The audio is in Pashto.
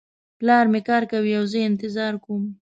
پلار مې کار کوي او زه یې انتظار کوم